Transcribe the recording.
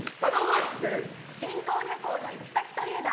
新婚旅行の行き先といえば？